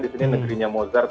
di sini negerinya mozart